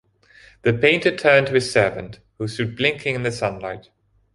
The painter turned to his servant, who stood blinking in the sunlight.